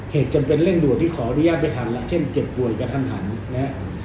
เหตุจำเป็นเร่งด่วนที่ขออนุญาตไปทันละเช่นเจ็บป่วยก็ทันนะฮะ